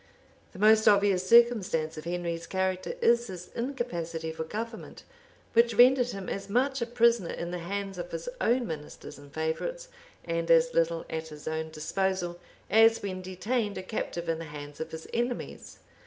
The most obvious circumstance of Henry's character is his incapacity for government, which rendered him as much a prisoner in the hands of his own ministers and favorites, and as little at his own disposal, as when detained a captive in the hands of his enemies.